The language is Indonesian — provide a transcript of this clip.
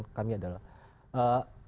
yang saya ingin mengatakan adalah